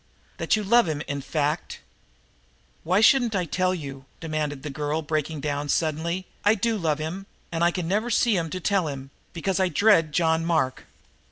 "That you love him, in fact." "Why shouldn't I tell you?" demanded the girl, breaking down suddenly. "I do love him, and I can never see him to tell him, because I dread John Mark."